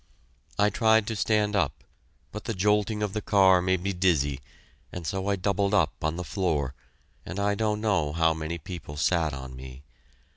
I tried to stand up, but the jolting of the car made me dizzy, and so I doubled up on the floor, and I don't know how many people sat on me.